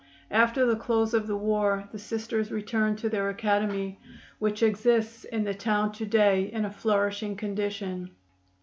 After the close of the war the Sisters returned to their academy, which exists in the town to day in a flourishing condition.